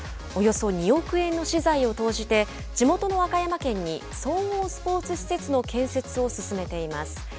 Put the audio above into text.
およそ２億円の私財を投じて地元の和歌山県に総合スポーツ施設の建設を進めています。